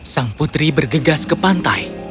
sang putri bergegas ke pantai